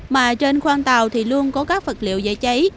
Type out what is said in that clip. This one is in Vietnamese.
mà trên khoang tàu thì luôn có các vật liệu dễ cháy